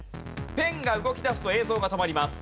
ペンが動き出すと映像が止まります。